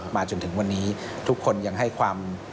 จนถึงวันนี้ทุกคนยังให้ความ